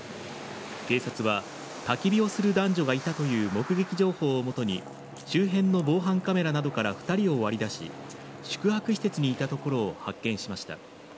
警察は、たき火をする男女がいたという目撃情報を基に周辺の防犯カメラなどから２人を割り出し宿泊施設にいたところを発見しました。